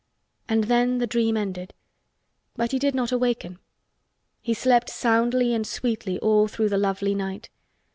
And then the dream ended. But he did not awaken. He slept soundly and sweetly all through the lovely night.